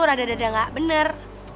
rada rada gak bener